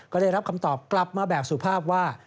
ก็ได้รับคำตอบกลับมาแบบสุภาพว่า